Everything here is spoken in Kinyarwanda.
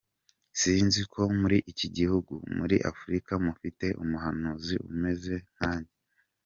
Sinzi ko muri iki gihugu, muri Afurika mufite umuhanuzi umeze nkanjye.